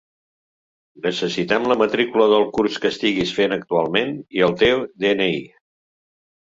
Necessitem la matrícula del curs que estiguis fent actualment i el teu de-ena-i.